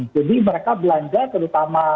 jadi mereka belanja terutama